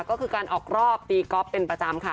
ก็คือการออกรอบตีก๊อฟเป็นประจำค่ะ